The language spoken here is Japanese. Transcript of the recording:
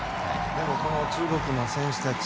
でも中国の選手たち